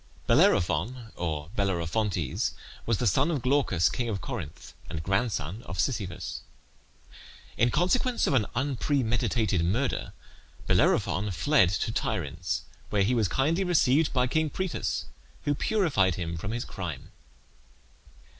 Bellerophon, or Bellerophontes, was the son of Glaucus, king of Corinth, and grandson of Sisyphus. In consequence of an unpremeditated murder Bellerophon fled to Tiryns, where he was kindly received by King Proetus, who purified him from his crime.